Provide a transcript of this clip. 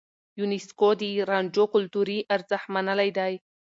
يونيسکو د رانجو کلتوري ارزښت منلی دی.